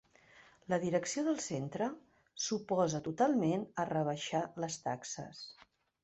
La direcció del centre s'oposa totalment a rebaixar les taxes.